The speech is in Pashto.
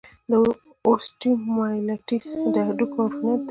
د اوسټیومایلايټس د هډوکو عفونت دی.